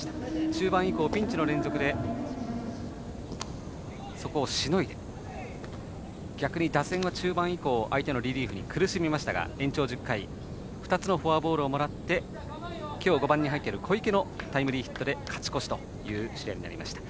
中盤以降ピンチの連続でそこをしのいで逆に打線は中盤以降相手のリリーフに苦しみましたが延長１０回２つのフォアボールをもらって今日５番に入っている小池のタイムリーヒットで勝ち越しという試合になりました。